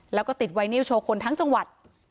แล้วก็ติดไวนิวโชว์คนทั้งจังหวัด